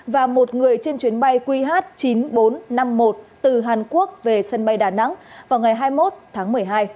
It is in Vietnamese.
và một người trên chuyến bay qh chín nghìn bốn trăm năm mươi một từ hàn quốc về sân bay đà nẵng vào ngày hai mươi một tháng một mươi hai